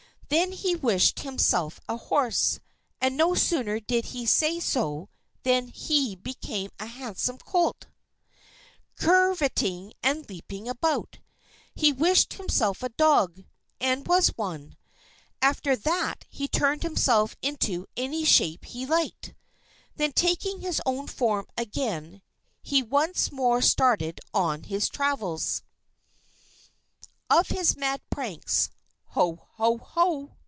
Then he wished himself a horse, and no sooner did he say so than he became a handsome colt, curveting and leaping about. He wished himself a dog, and was one. After that he turned himself into any shape he liked. Then taking his own form again, he once more started on his travels. OF HIS MAD PRANKS HO! HO! HO!